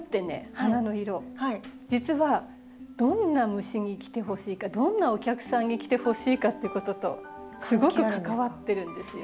花の色実はどんな虫に来てほしいかどんなお客さんに来てほしいかということとすごく関わってるんですよ。